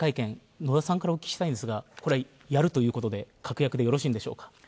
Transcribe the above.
野田さんからお伺いしたいんですがやるということで確約でよろしいんでしょうか？